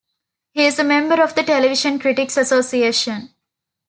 He is a member of the Television Critics Association.